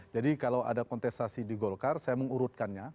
jadi kalau ada kontestasi di golkar saya mengurutkannya